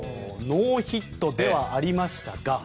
ノーヒットではありましたが。